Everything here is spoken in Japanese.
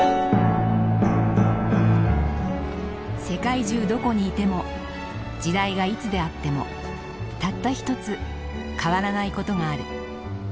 世界中どこにいても時代がいつであってもたった一つ変わらないことがある。